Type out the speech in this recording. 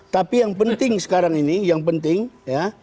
tapi yang penting sekarang ini